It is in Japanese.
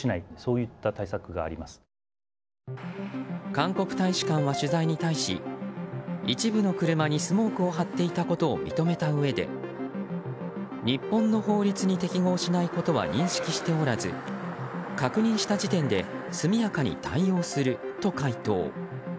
韓国大使館は取材に対し一部の車にスモークを貼っていたことを認めたうえで日本の法律に適合しないことは認識しておらず確認した時点で速やかに対応すると回答。